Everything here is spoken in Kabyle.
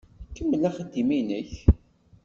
Kemmel axeddim-nnek.